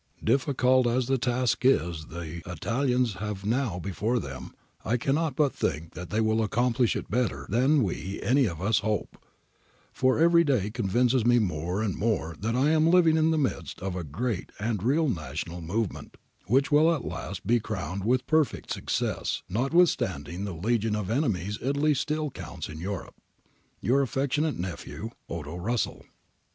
Difficult as the task is the Italians have now before them, I cannot but think that they will accomplish it better than we any of us hope, for every day convinces me more and more that I am living in the midst of a ^reat and real national movement, which will at last be crowned with perfect success, notwithstanding the legion of enemies Italy still counts in Europe. ' Your affectionate nephew, 'Odo Russell.'